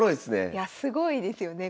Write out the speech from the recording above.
いやすごいですよね。